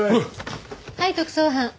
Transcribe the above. はい特捜班。